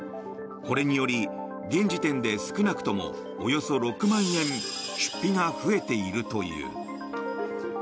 これにより現時点で少なくともおよそ６万円出費が増えているという。